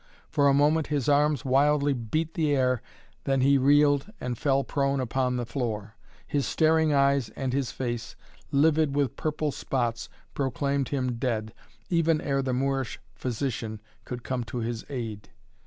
For a moment his arms wildly beat the air, then he reeled and fell prone upon the floor. His staring eyes and his face, livid with purple spots, proclaimed him dead, even ere the Moorish physician could come to his aid.